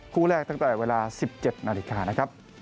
คู่แรกตั้งแต่เวลา๑๗นาฬิกานะครับ